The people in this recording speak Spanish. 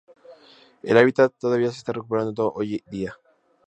El hábitat todavía se está recuperando hoy día.